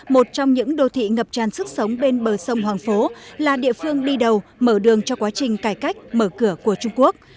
một trong những đô thị ngập tràn sức sống bên bờ sông hoàng phố là địa phương đi đầu mở đường cho quá trình cải cách mở cửa của trung quốc